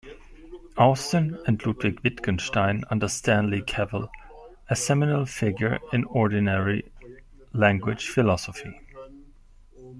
Austin and Ludwig Wittgenstein under Stanley Cavell, a seminal figure in ordinary language philosophy.